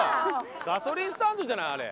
ガソリンスタンドじゃないあれ。